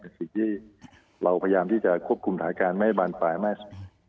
เป็นสิ่งที่เราพยายามที่จะควบคุมฐานการณ์แม่บ้านตายมาก